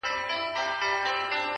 ستا پستو غوښو ته اوس مي هم زړه کیږي!!